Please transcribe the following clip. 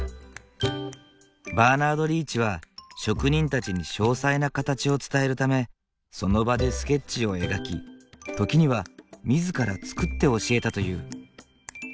バーナード・リーチは職人たちに詳細な形を伝えるためその場でスケッチを描き時には自ら作って教えたという。